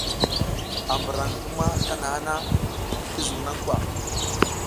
A mburan hima kanaha na, i zun na kwa ?